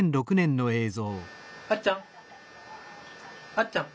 あっちゃん？